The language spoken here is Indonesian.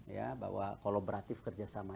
ya bahwa kolaboratif kerjasama